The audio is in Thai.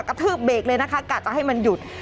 กระทืบเบรกเลยนะคะกะจะให้มันหยุด